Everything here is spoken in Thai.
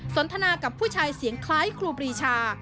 สนทนากับผู้ชายเสียงคล้ายครูปรีชา